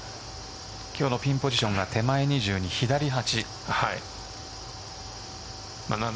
今日のピンポジションが手前２２左８。